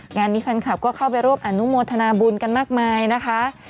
งานนี้แฟนคลับก็เข้าไปร่วมอนุโมทนาบุญกันมากมายนะคะ